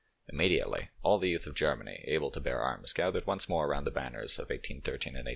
Immediately all the youth of Germany able to bear arms gathered once more around the banners of 1813 and 1814.